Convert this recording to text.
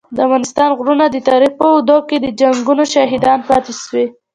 د افغانستان غرونه د تاریخ په اوږدو کي د جنګونو شاهدان پاته سوي.